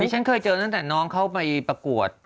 ฉันเคยเจอตั้งแต่น้องเข้าไปประกวด